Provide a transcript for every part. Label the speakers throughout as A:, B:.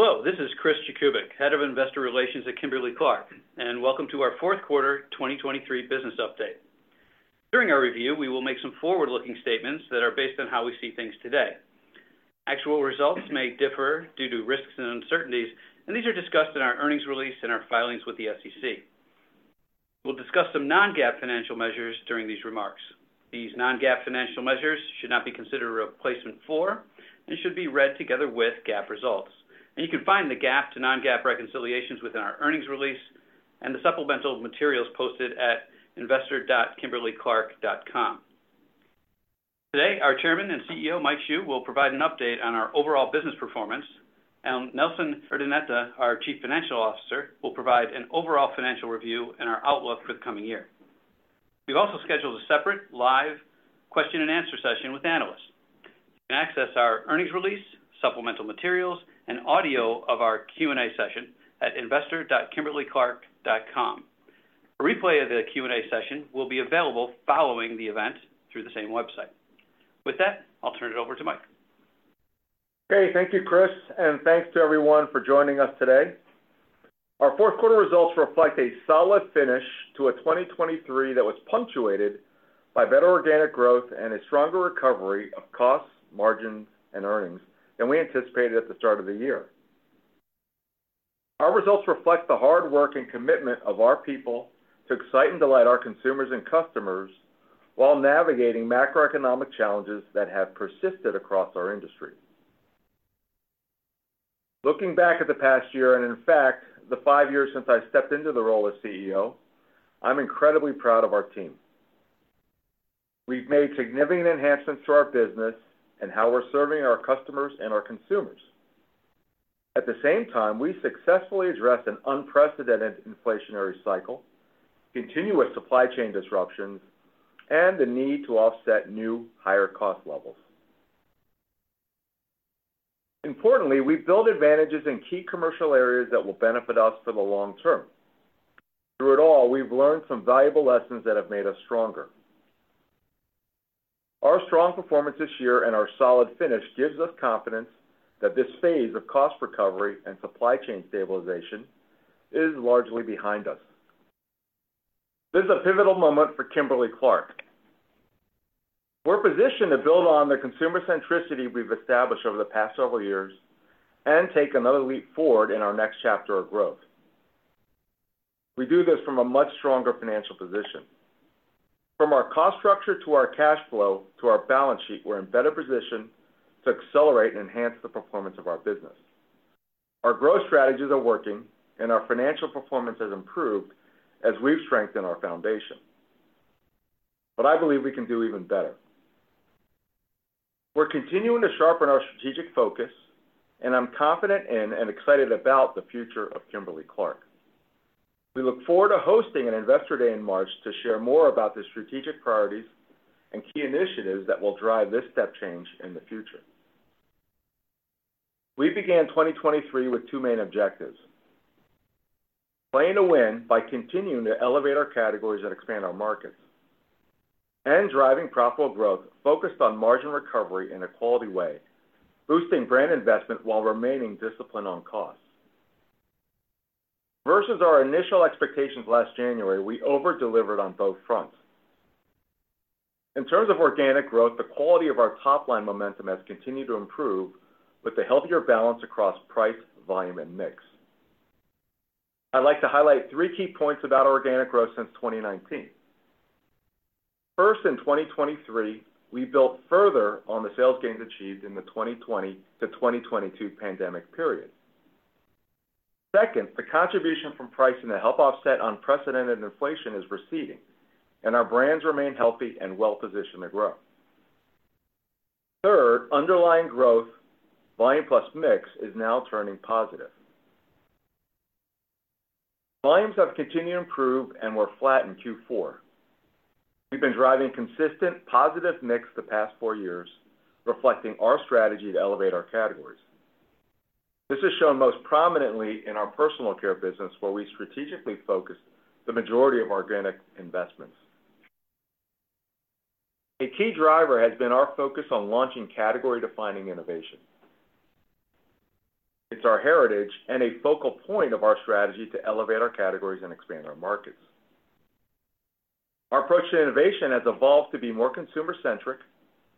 A: Hello, this is Chris Jakubik, Head of Investor Relations at Kimberly-Clark, and welcome to our fourth quarter 2023 business update. During our review, we will make some forward-looking statements that are based on how we see things today. Actual results may differ due to risks and uncertainties, and these are discussed in our earnings release and our filings with the SEC. We'll discuss some non-GAAP financial measures during these remarks. These non-GAAP financial measures should not be considered a replacement for, and should be read together with GAAP results. You can find the GAAP to non-GAAP reconciliations within our earnings release and the supplemental materials posted at investor.kimberly-clark.com. Today, our Chairman and CEO, Mike Hsu, will provide an update on our overall business performance, and Nelson Urdaneta, our Chief Financial Officer, will provide an overall financial review and our outlook for the coming year. We've also scheduled a separate live question and answer session with analysts. You can access our earnings release, supplemental materials, and audio of our Q&A session at investor.kimberly-clark.com. A replay of the Q&A session will be available following the event through the same website. With that, I'll turn it over to Mike.
B: Okay, thank you, Chris, and thanks to everyone for joining us today. Our fourth quarter results reflect a solid finish to a 2023 that was punctuated by better organic growth and a stronger recovery of costs, margins, and earnings than we anticipated at the start of the year. Our results reflect the hard work and commitment of our people to excite and delight our consumers and customers, while navigating macroeconomic challenges that have persisted across our industry. Looking back at the past year, and in fact, the five years since I stepped into the role as CEO, I'm incredibly proud of our team. We've made significant enhancements to our business and how we're serving our customers and our consumers. At the same time, we successfully addressed an unprecedented inflationary cycle, continuous supply chain disruptions, and the need to offset new, higher cost levels. Importantly, we've built advantages in key commercial areas that will benefit us for the long term. Through it all, we've learned some valuable lessons that have made us stronger. Our strong performance this year and our solid finish gives us confidence that this phase of cost recovery and supply chain stabilization is largely behind us. This is a pivotal moment for Kimberly-Clark. We're positioned to build on the consumer centricity we've established over the past several years and take another leap forward in our next chapter of growth. We do this from a much stronger financial position. From our cost structure, to our cash flow, to our balance sheet, we're in better position to accelerate and enhance the performance of our business. Our growth strategies are working, and our financial performance has improved as we've strengthened our foundation. But I believe we can do even better. We're continuing to sharpen our strategic focus, and I'm confident in and excited about the future of Kimberly-Clark. We look forward to hosting an Investor Day in March to share more about the strategic priorities and key initiatives that will drive this step change in the future. We began 2023 with two main objectives: playing to win by continuing to elevate our categories and expand our markets, and driving profitable growth focused on margin recovery in a quality way, boosting brand investment while remaining disciplined on costs. Versus our initial expectations last January, we over-delivered on both fronts. In terms of organic growth, the quality of our top line momentum has continued to improve with a healthier balance across price, volume, and mix. I'd like to highlight three key points about our organic growth since 2019. First, in 2023, we built further on the sales gains achieved in the 2020 to 2022 pandemic period. Second, the contribution from pricing to help offset unprecedented inflation is receding, and our brands remain healthy and well-positioned to grow. Third, underlying growth, volume plus mix, is now turning positive. Volumes have continued to improve and were flat in Q4. We've been driving consistent positive mix the past 4 years, reflecting our strategy to elevate our categories. This is shown most prominently in our personal care business, where we strategically focused the majority of organic investments. A key driver has been our focus on launching category-defining innovation. It's our heritage and a focal point of our strategy to elevate our categories and expand our markets. Our approach to innovation has evolved to be more consumer-centric,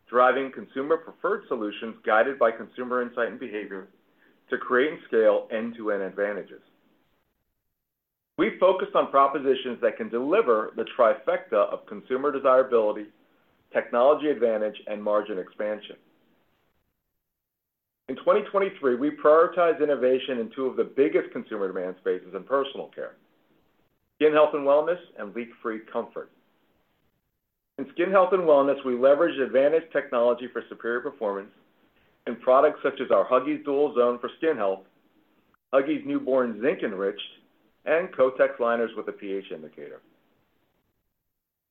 B: driving consumer-preferred solutions, guided by consumer insight and behavior, to create and scale end-to-end advantages. We focus on propositions that can deliver the trifecta of consumer desirability, technology advantage, and margin expansion. In 2023, we prioritized innovation in two of the biggest consumer demand spaces in personal care: skin health and wellness, and leak-free comfort. In skin health and wellness, we leveraged advantage technology for superior performance in products such as our Huggies Dual Zone for skin health, Huggies Newborn Zinc Enriched, and Kotex liners with a pH indicator.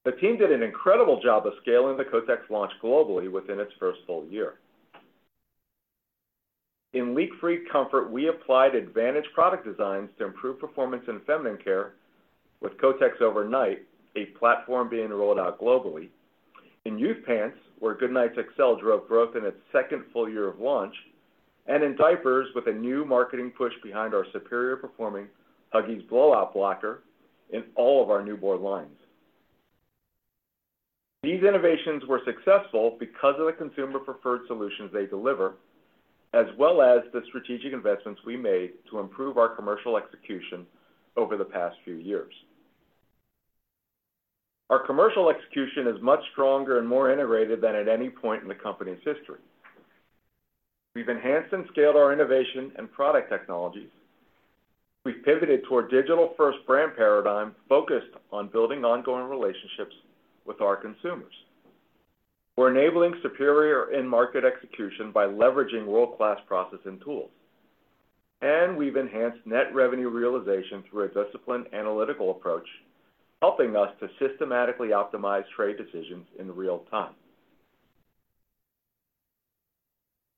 B: The team did an incredible job of scaling the Kotex launch globally within its first full year. In leak-free comfort, we applied advantage product designs to improve performance in feminine care with Kotex Overnight, a platform being rolled out globally... in youth pants, where Goodnites XL drove growth in its second full year of launch, and in diapers, with a new marketing push behind our superior performing Huggies Blowout Blocker in all of our newborn lines. These innovations were successful because of the consumer-preferred solutions they deliver, as well as the strategic investments we made to improve our commercial execution over the past few years. Our commercial execution is much stronger and more integrated than at any point in the company's history. We've enhanced and scaled our innovation and product technologies. We've pivoted toward digital-first brand paradigm, focused on building ongoing relationships with our consumers. We're enabling superior in-market execution by leveraging world-class process and tools. We've enhanced Net Revenue Realization through a disciplined analytical approach, helping us to systematically optimize trade decisions in real time.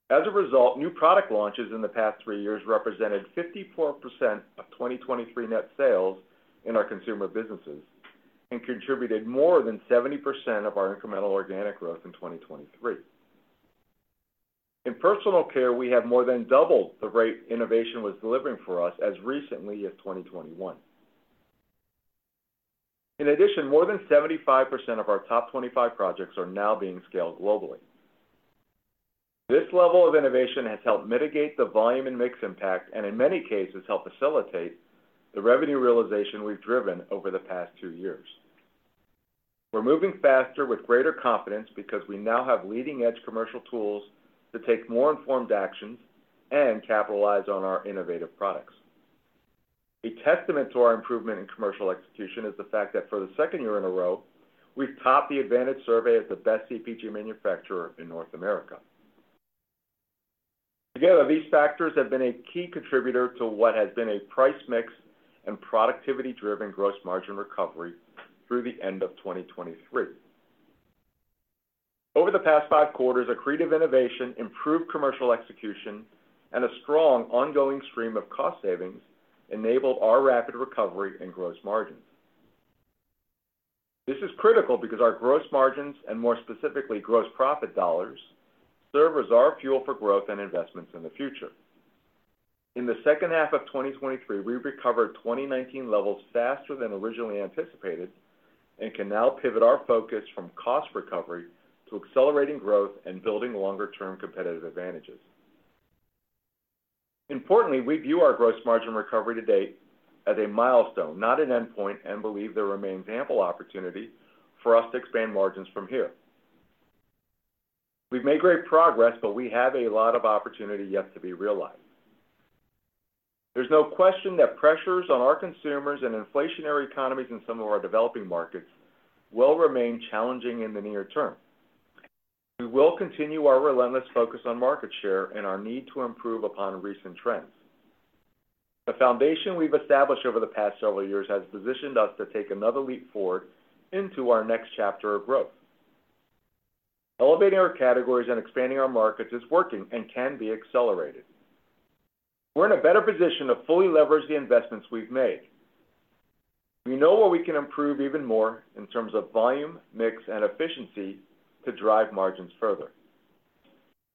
B: As a result, new product launches in the past three years represented 54% of 2023 net sales in our consumer businesses, and contributed more than 70% of our incremental organic growth in 2023. In personal care, we have more than doubled the rate innovation was delivering for us as recently as 2021. In addition, more than 75% of our top 25 projects are now being scaled globally. This level of innovation has helped mitigate the volume and mix impact, and in many cases, helped facilitate the revenue realization we've driven over the past two years. We're moving faster with greater confidence because we now have leading-edge commercial tools to take more informed actions and capitalize on our innovative products. A testament to our improvement in commercial execution is the fact that for the 2nd year in a row, we've topped the Advantage Survey as the best CPG manufacturer in North America. Together, these factors have been a key contributor to what has been a price mix and productivity-driven gross margin recovery through the end of 2023. Over the past 5 quarters, accretive innovation, improved commercial execution, and a strong ongoing stream of cost savings enabled our rapid recovery in gross margins. This is critical because our gross margins, and more specifically, gross profit dollars, serve as our fuel for growth and investments in the future. In the second half of 2023, we recovered 2019 levels faster than originally anticipated and can now pivot our focus from cost recovery to accelerating growth and building longer-term competitive advantages. Importantly, we view our gross margin recovery to date as a milestone, not an endpoint, and believe there remains ample opportunity for us to expand margins from here. We've made great progress, but we have a lot of opportunity yet to be realized. There's no question that pressures on our consumers and inflationary economies in some of our developing markets will remain challenging in the near term. We will continue our relentless focus on market share and our need to improve upon recent trends. The foundation we've established over the past several years has positioned us to take another leap forward into our next chapter of growth. Elevating our categories and expanding our markets is working and can be accelerated. We're in a better position to fully leverage the investments we've made. We know where we can improve even more in terms of volume, mix, and efficiency to drive margins further.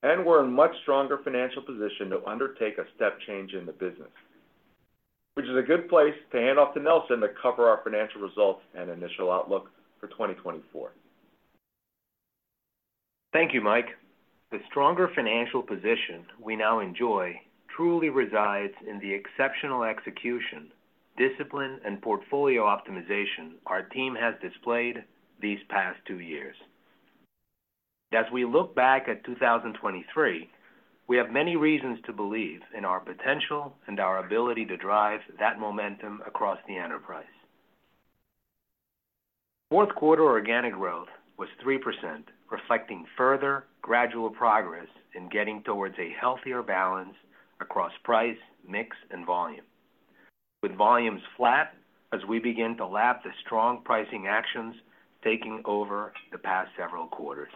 B: And we're in much stronger financial position to undertake a step change in the business, which is a good place to hand off to Nelson to cover our financial results and initial outlook for 2024.
C: Thank you, Mike. The stronger financial position we now enjoy truly resides in the exceptional execution, discipline, and portfolio optimization our team has displayed these past two years. As we look back at 2023, we have many reasons to believe in our potential and our ability to drive that momentum across the enterprise. Fourth quarter organic growth was 3%, reflecting further gradual progress in getting towards a healthier balance across price, mix, and volume, with volumes flat as we begin to lap the strong pricing actions taking over the past several quarters.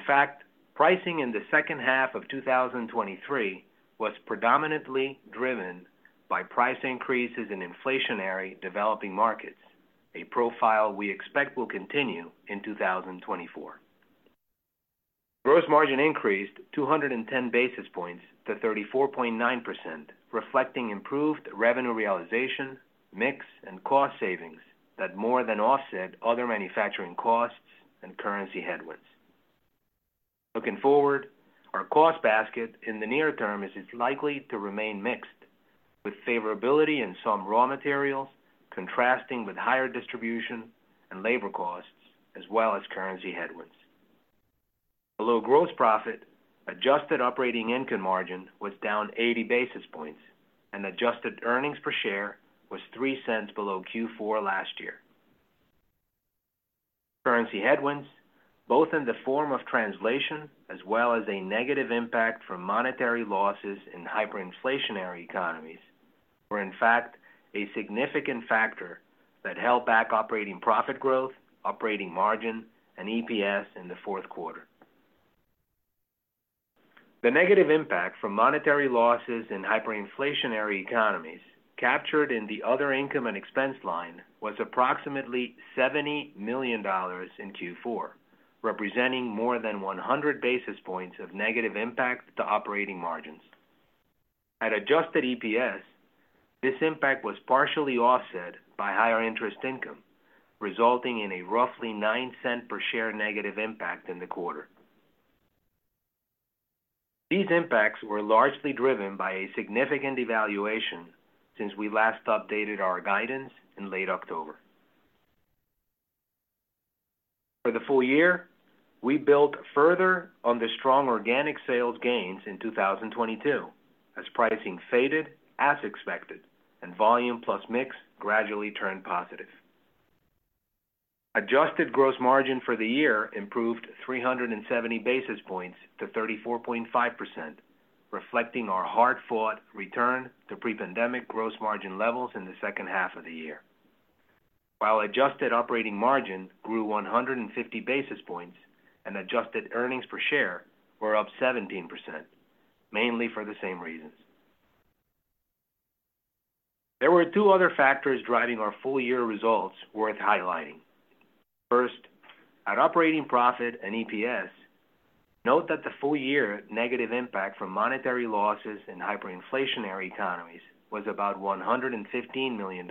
C: In fact, pricing in the second half of 2023 was predominantly driven by price increases in inflationary developing markets, a profile we expect will continue in 2024. Gross margin increased 210 basis points to 34.9%, reflecting improved revenue realization, mix, and cost savings that more than offset other manufacturing costs and currency headwinds. Looking forward, our cost basket in the near term is likely to remain mixed, with favorability in some raw materials, contrasting with higher distribution and labor costs, as well as currency headwinds. Below gross profit, adjusted operating income margin was down 80 basis points, and adjusted earnings per share was $0.03 below Q4 last year. Currency headwinds, both in the form of translation as well as a negative impact from monetary losses in hyperinflationary economies, were in fact a significant factor that held back operating profit growth, operating margin, and EPS in the fourth quarter. The negative impact from monetary losses in hyperinflationary economies, captured in the other income and expense line, was approximately $70 million in Q4, representing more than 100 basis points of negative impact to operating margins. At Adjusted EPS, this impact was partially offset by higher interest income, resulting in a roughly $0.09 per share negative impact in the quarter. These impacts were largely driven by a significant devaluation since we last updated our guidance in late October. For the full year, we built further on the strong organic sales gains in 2022, as pricing faded as expected, and volume plus mix gradually turned positive. Adjusted gross margin for the year improved 370 basis points to 34.5%, reflecting our hard-fought return to pre-pandemic gross margin levels in the second half of the year. While adjusted operating margin grew 150 basis points and adjusted earnings per share were up 17%, mainly for the same reasons. There were two other factors driving our full-year results worth highlighting. First, at operating profit and EPS, note that the full-year negative impact from monetary losses in hyperinflationary economies was about $115 million,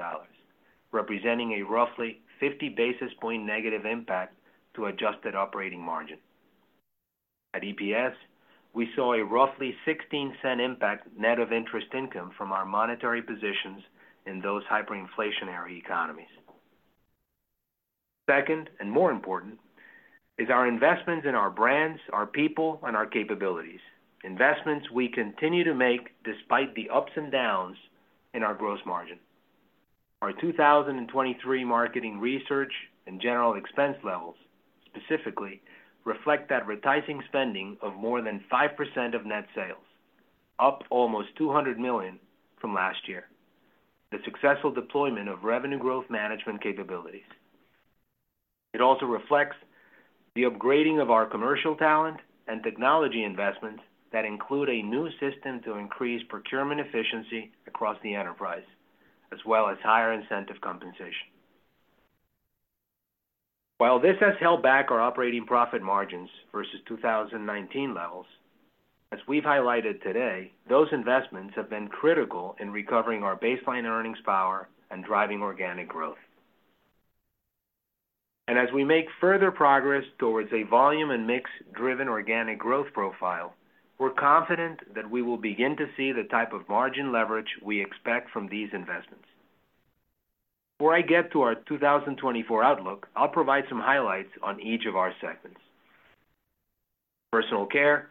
C: representing a roughly 50 basis point negative impact to adjusted operating margin. At EPS, we saw a roughly $0.16 impact net of interest income from our monetary positions in those hyperinflationary economies. Second, and more important, is our investments in our brands, our people, and our capabilities, investments we continue to make despite the ups and downs in our gross margin. Our 2023 marketing research and general expense levels specifically reflect that advertising spending of more than 5% of net sales, up almost $200 million from last year, the successful deployment of Revenue Growth Management capabilities. It also reflects the upgrading of our commercial talent and technology investments that include a new system to increase procurement efficiency across the enterprise, as well as higher incentive compensation. While this has held back our operating profit margins versus 2019 levels, as we've highlighted today, those investments have been critical in recovering our baseline earnings power and driving organic growth. As we make further progress towards a volume and mix-driven organic growth profile, we're confident that we will begin to see the type of margin leverage we expect from these investments. Before I get to our 2024 outlook, I'll provide some highlights on each of our segments. Personal Care.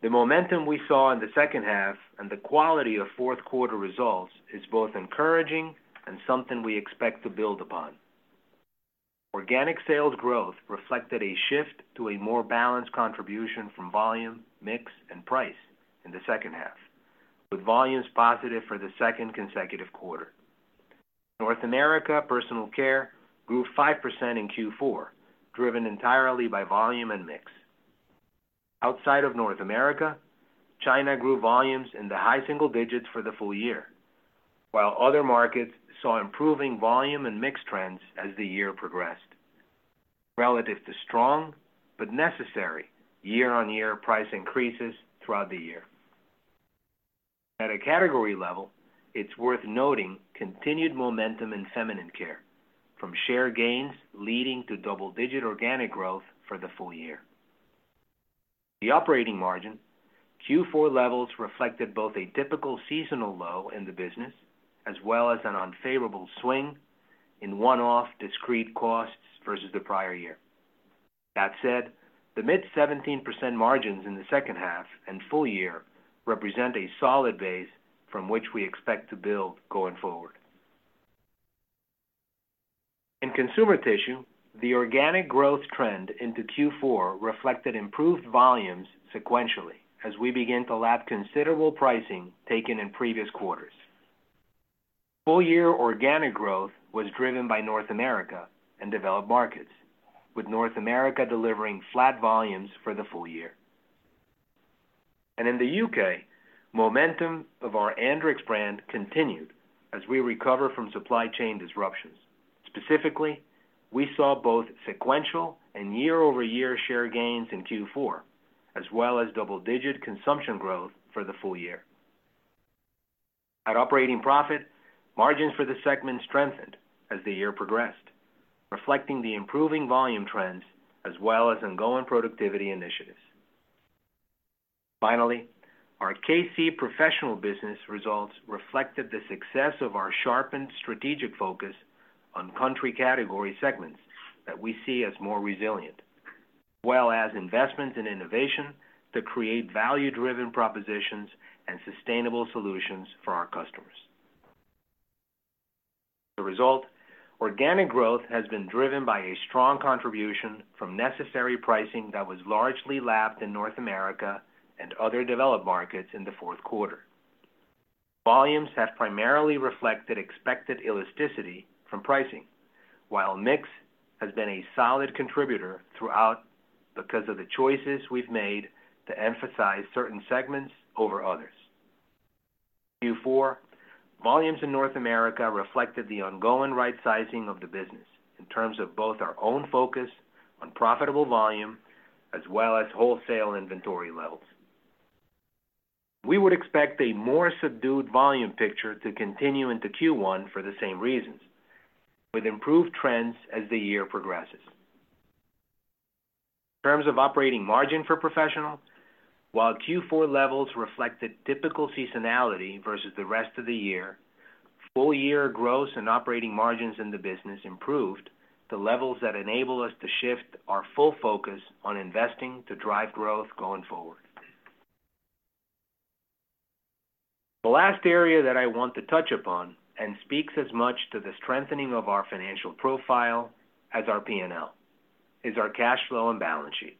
C: The momentum we saw in the second half and the quality of fourth quarter results is both encouraging and something we expect to build upon. Organic sales growth reflected a shift to a more balanced contribution from volume, mix, and price in the second half, with volumes positive for the second consecutive quarter. North America Personal Care grew 5% in Q4, driven entirely by volume and mix. Outside of North America, China grew volumes in the high single digits for the full year, while other markets saw improving volume and mix trends as the year progressed, relative to strong but necessary year-on-year price increases throughout the year. At a category level, it's worth noting continued momentum in feminine care from share gains leading to double-digit organic growth for the full year. The operating margin, Q4 levels reflected both a typical seasonal low in the business, as well as an unfavorable swing in one-off discrete costs versus the prior year. That said, the mid-17% margins in the second half and full year represent a solid base from which we expect to build going forward. In consumer tissue, the organic growth trend into Q4 reflected improved volumes sequentially as we begin to lap considerable pricing taken in previous quarters. Full year organic growth was driven by North America and developed markets, with North America delivering flat volumes for the full year. In the UK, momentum of our Andrex brand continued as we recover from supply chain disruptions. Specifically, we saw both sequential and year-over-year share gains in Q4, as well as double-digit consumption growth for the full year. At operating profit, margins for the segment strengthened as the year progressed, reflecting the improving volume trends as well as ongoing productivity initiatives. Finally, our K-C Professional business results reflected the success of our sharpened strategic focus on country category segments that we see as more resilient, as well as investments in innovation to create value-driven propositions and sustainable solutions for our customers. The result, organic growth has been driven by a strong contribution from necessary pricing that was largely lapped in North America and other developed markets in the fourth quarter. Volumes have primarily reflected expected elasticity from pricing, while mix has been a solid contributor throughout because of the choices we've made to emphasize certain segments over others. Q4, volumes in North America reflected the ongoing right sizing of the business in terms of both our own focus on profitable volume as well as wholesale inventory levels. We would expect a more subdued volume picture to continue into Q1 for the same reasons, with improved trends as the year progresses. In terms of operating margin for professional, while Q4 levels reflected typical seasonality versus the rest of the year, full year gross and operating margins in the business improved to levels that enable us to shift our full focus on investing to drive growth going forward. The last area that I want to touch upon, and speaks as much to the strengthening of our financial profile as our P&L, is our cash flow and balance sheet.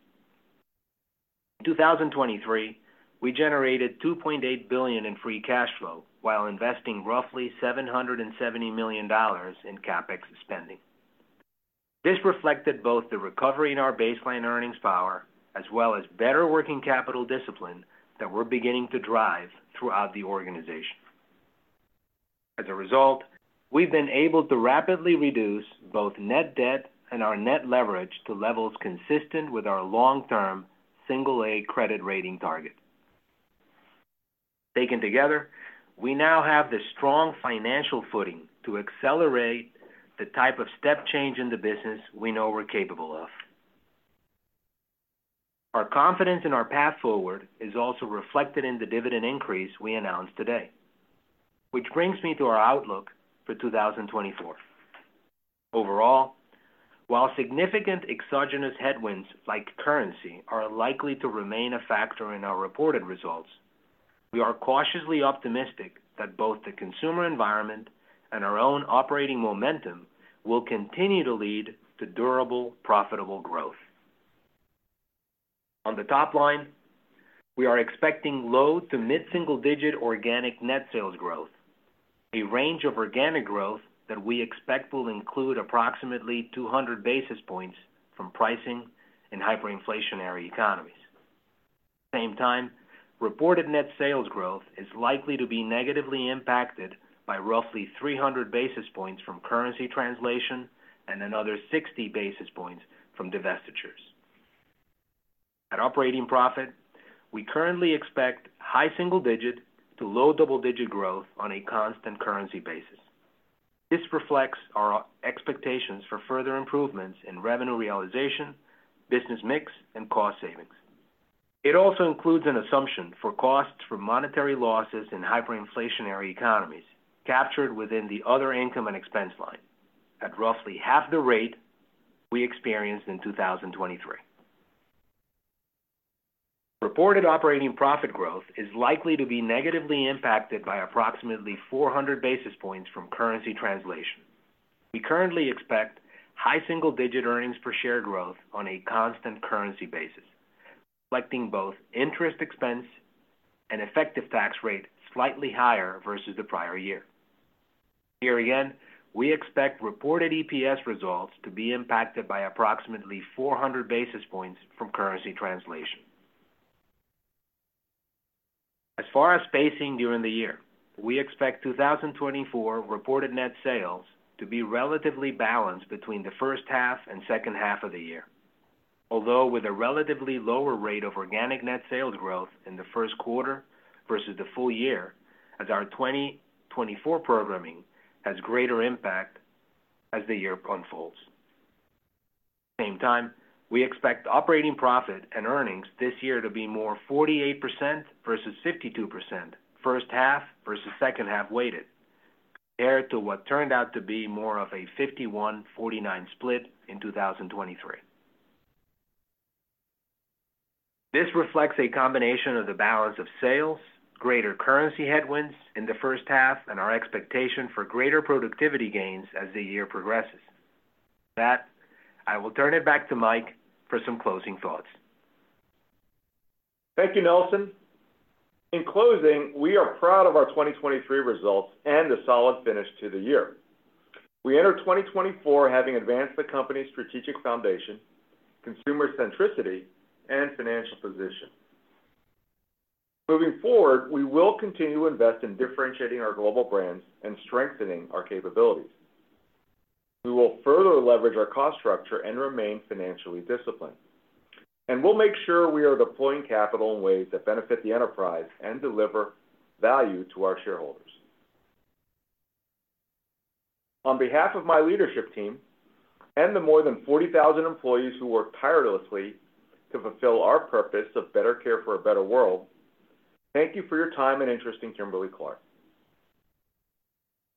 C: In 2023, we generated $2.8 billion in free cash flow while investing roughly $770 million in CapEx spending. This reflected both the recovery in our baseline earnings power, as well as better working capital discipline that we're beginning to drive throughout the organization. As a result, we've been able to rapidly reduce both net debt and our net leverage to levels consistent with our long-term single-A credit rating target. Taken together, we now have the strong financial footing to accelerate the type of step change in the business we know we're capable of. Our confidence in our path forward is also reflected in the dividend increase we announced today, which brings me to our outlook for 2024. Overall, while significant exogenous headwinds like currency are likely to remain a factor in our reported results, we are cautiously optimistic that both the consumer environment and our own operating momentum will continue to lead to durable, profitable growth. On the top line, we are expecting low- to mid-single-digit organic net sales growth, a range of organic growth that we expect will include approximately 200 basis points from pricing and hyperinflationary economies. At the same time, reported net sales growth is likely to be negatively impacted by roughly 300 basis points from currency translation and another 60 basis points from divestitures. At operating profit, we currently expect high single-digit to low double-digit growth on a constant currency basis. This reflects our expectations for further improvements in revenue realization, business mix, and cost savings. It also includes an assumption for costs from monetary losses in hyperinflationary economies, captured within the other income and expense line at roughly half the rate we experienced in 2023. Reported operating profit growth is likely to be negatively impacted by approximately 400 basis points from currency translation.. We currently expect high single-digit earnings per share growth on a constant currency basis, reflecting both interest expense and effective tax rate slightly higher versus the prior year. Here again, we expect reported EPS results to be impacted by approximately 400 basis points from currency translation. As far as pacing during the year, we expect 2024 reported net sales to be relatively balanced between the first half and second half of the year, although with a relatively lower rate of organic net sales growth in the first quarter versus the full year, as our 2024 programming has greater impact as the year unfolds. Same time, we expect operating profit and earnings this year to be more 48% versus 52%, first half versus second half weighted, compared to what turned out to be more of a 51, 49 split in 2023. This reflects a combination of the balance of sales, greater currency headwinds in the first half, and our expectation for greater productivity gains as the year progresses. With that, I will turn it back to Mike for some closing thoughts.
B: Thank you, Nelson. In closing, we are proud of our 2023 results and the solid finish to the year. We enter 2024 having advanced the company's strategic foundation, consumer centricity, and financial position. Moving forward, we will continue to invest in differentiating our global brands and strengthening our capabilities. We will further leverage our cost structure and remain financially disciplined, and we'll make sure we are deploying capital in ways that benefit the enterprise and deliver value to our shareholders. On behalf of my leadership team and the more than 40,000 employees who work tirelessly to fulfill our purpose of better care for a better world, thank you for your time and interest in Kimberly-Clark.